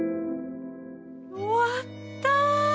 終わった。